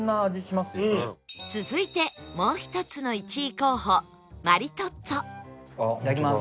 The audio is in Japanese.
続いてもう一つの１位候補マリトッツォいただきます。